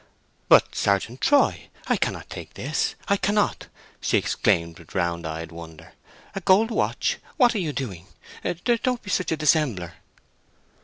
"But, Sergeant Troy, I cannot take this—I cannot!" she exclaimed, with round eyed wonder. "A gold watch! What are you doing? Don't be such a dissembler!"